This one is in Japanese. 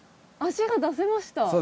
足が出せました。